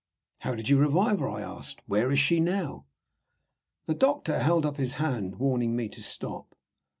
"How did you revive her?" I asked. "Where is she now?" The doctor held up his hand, warning me to stop.